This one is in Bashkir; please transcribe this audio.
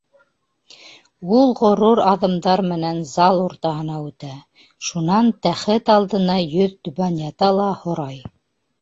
Ул ғорур аҙымдар менән зал уртаһына үтә, шунан тәхет алдына йөҙтүбән ята ла һорай: